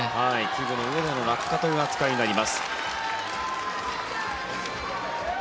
器具の上での落下という扱いになります。